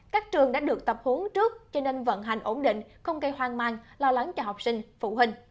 các trường đã được tập huấn trước cho nên vận hành ổn định không gây hoang mang lo lắng cho học sinh phụ huynh